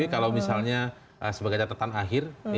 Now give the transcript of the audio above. kalau misalnya sebagai catatan akhir